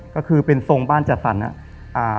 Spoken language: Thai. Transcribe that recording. ก็คือเป็นทรงบ้านจัดสรร